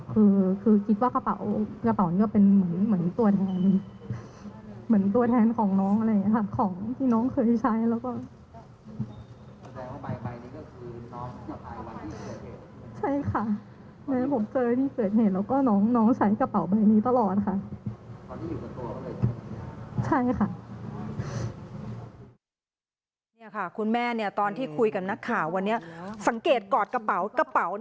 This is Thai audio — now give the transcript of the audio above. คือคิดว่ากระเป๋านี่ก็เป็นเหมือนตัวแทน